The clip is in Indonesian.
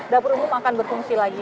dapur umum akan berfungsi lagi